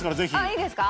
いいですか？